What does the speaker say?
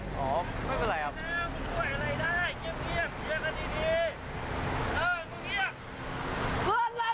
ขอบคุณครับ